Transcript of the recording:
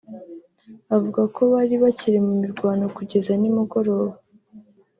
avuga ko bari bakiri mu mirwano kugeza nimugoroba